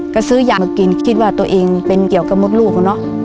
ก็ซื้อยามากินคิดว่าตัวเองเป็นเกี่ยวกับมดลูกเนอะ